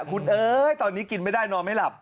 คุณเอ๋ยตอนนี้กินไม่ได้นอนไม่หลับ